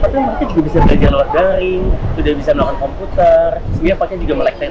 tapi juga bisa belajar melakukan daring juga bisa melakukan komputer sebenarnya juga melek teknologi